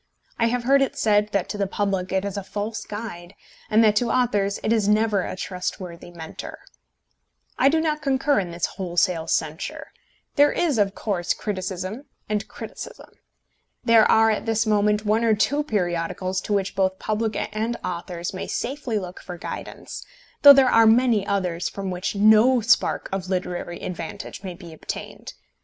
I have heard it said that to the public it is a false guide, and that to authors it is never a trustworthy Mentor. I do not concur in this wholesale censure. There is, of course, criticism and criticism. There are at this moment one or two periodicals to which both public and authors may safely look for guidance, though there are many others from which no spark of literary advantage may be obtained.